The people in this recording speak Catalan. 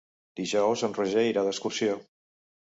Dijous en Roger irà d'excursió.